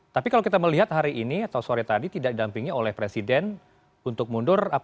tapi kalau kita melihat hari ini atau sore tadi tidak didampingi oleh presiden untuk mundur